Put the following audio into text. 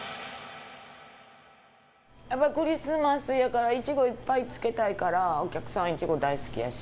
やっぱりクリスマスやから、イチゴいっぱいつけたいから、お客さんイチゴ大好きやし。